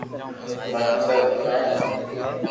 ماقي سب ايمي ھي